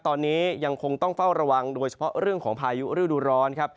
ตอนนี้ยังคงต้องเฝ้าระวังโดยเฉพาะเรื่องของพายุฤดูร้อนครับ